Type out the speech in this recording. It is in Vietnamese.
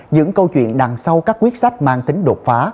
những câu chuyện đằng sau các quyết sách mang tính đột phá